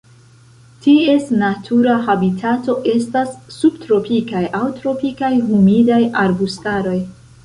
Ties natura habitato estas subtropikaj aŭ tropikaj humidaj arbustaroj.